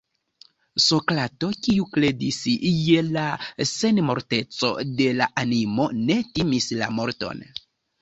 Sokrato, kiu kredis je la senmorteco de la animo, ne timis la morton.